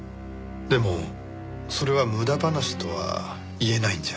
でもそれは無駄話とは言えないんじゃ。